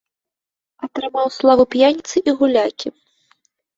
Атрымаў славу п'яніцы і гулякі.